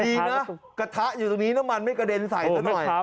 ดีนะกระทะอยู่ตรงนี้น้ำมันไม่กระเด็นใส่ซะหน่อย